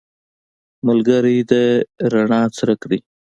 ملګری د رڼا څرک دی